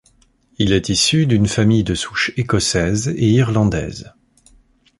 Il est issu d'une famille de souche écossaise et irlandaise.